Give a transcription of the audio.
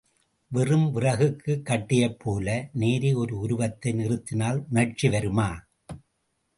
வெறும் விறகுக் கட்டையைப் போல நேரே ஒரு உருவத்தை நிறுத்தினால் உணர்ச்சி வருமா?